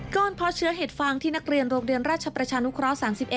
เพาะเชื้อเห็ดฟางที่นักเรียนโรงเรียนราชประชานุเคราะห์๓๑